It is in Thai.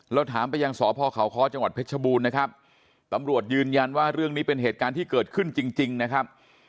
เราถามไปยังสพเขาค้อจังหวัดเพชรบูรณ์นะครับตำรวจยืนยันว่าเรื่องนี้เป็นเหตุการณ์ที่เกิดขึ้นจริงนะครับ